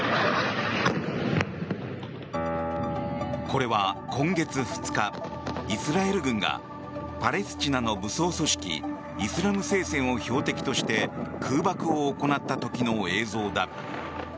これは今月２日イスラエル軍がパレスチナの武装組織イスラム聖戦を標的として空爆を行った時の映像だ。